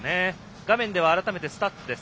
画面では改めてスタッツです。